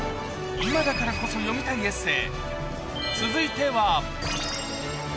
今だからこそ読みたいエッセー、続いては。